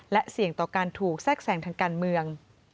และเสี่ยงต่อการถูกแทรกแสงทางการเมือง